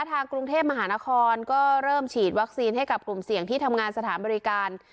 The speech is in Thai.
ทางกรุงเทพมหานครก็เริ่มฉีดวัคซีนให้กับกลุ่มเสี่ยงที่ทำงานสถานบริการ